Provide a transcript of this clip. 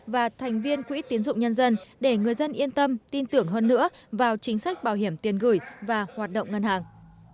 và thành viên quỹ tiến dụng nhân dân để người dân yên tâm tin tưởng hơn nữa vào chính sách bảo hiểm tiền gửi và hoạt động ngân hàng